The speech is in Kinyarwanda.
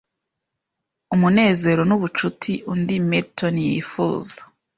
umunezero n'ubucuti undi… Milton yifuza